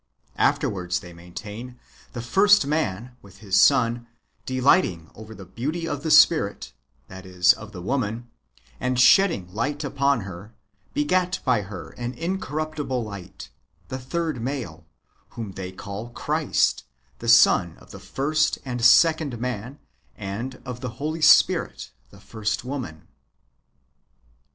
Afterwards, they maintain, the first man, with his son, delighting over the beauty of the Spirit — that is, of the woman — and shedding light upon her, begat by her an incorruptible light, the third male, whom they call Christ, — the son of the first and second man, and of the Holy Spirit, the first woman.